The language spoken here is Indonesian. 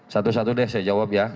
satu satu deh saya jawab ya